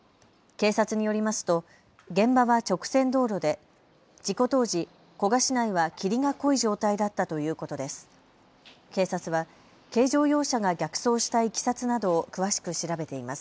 警察によりますと現場は直線道路で事故当時、古河市内は霧が濃い状態だったということです。